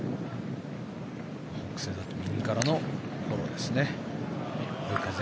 北西だと右からのフォローですね。